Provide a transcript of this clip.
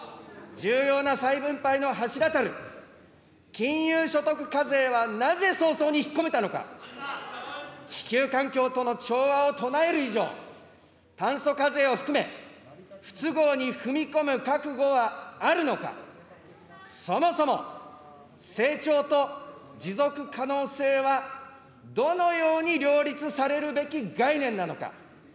重要な再分配の柱たる、金融所得課税はなぜ早々に引っ込めたのか、地球環境との調和を唱える以上、炭素課税を含め、不都合に踏み込む覚悟はあるのか、そもそも成長と持続可能性はどのように両立されるべき概念なのか。